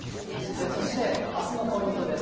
そしてあすのポイントです。